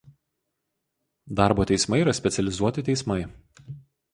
Darbo teismai yra specializuoti teismai.